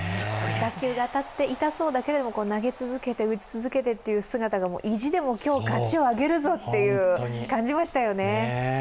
打球が当たって痛そうだけども投げ続けて、打ち続けてという姿が意地でも今日、勝ちをあげるぞと感じましたよね。